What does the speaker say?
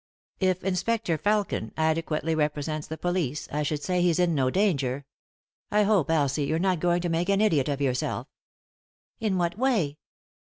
If Inspector Felfcm adequately represents the police, I should say he's in no danger — I hope, Elsie, you're not going to make an idiot of yourself." "In what way?"